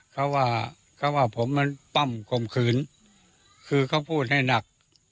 เขาว่าเขาว่าผมมันปั้มข่มขืนคือเขาพูดให้หนัก